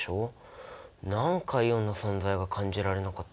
なんかイオンの存在が感じられなかったんだけど。